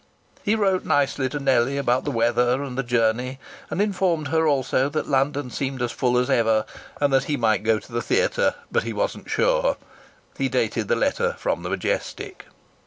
He wrote nicely to Nellie about the weather and the journey and informed her also that London seemed as full as ever, and that he might go to the theatre but he wasn't sure. He dated the letter from the Majestic.